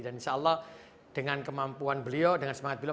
dan insya allah dengan kemampuan beliau dengan semangat beliau